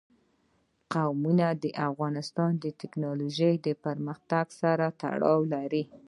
قومونه د افغانستان د تکنالوژۍ پرمختګ سره تړاو لري.